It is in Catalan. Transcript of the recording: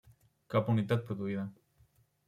Cap unitat produïda.